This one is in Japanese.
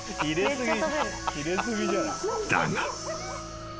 ［だが］